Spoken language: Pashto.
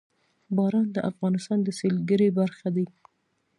باران د افغانستان د سیلګرۍ برخه ده.